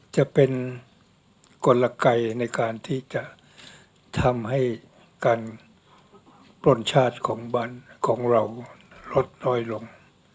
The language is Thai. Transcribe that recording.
จะเป็นกลไกในการที่จะทำให้การปล้นชาติของบ้านของเราลดน้อยลง